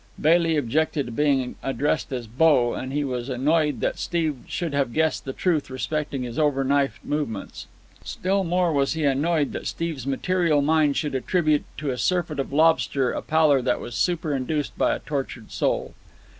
Bailey objected to being addressed as "bo," and he was annoyed that Steve should have guessed the truth respecting his overnight movements. Still more was he annoyed that Steve's material mind should attribute to a surfeit of lobster a pallor that was superinduced by a tortured soul.